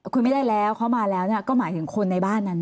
คุยไม่ได้แล้วเขามาแล้วก็หมายถึงคนในบ้านนั้น